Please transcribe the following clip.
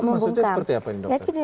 maksudnya seperti apa ini dokter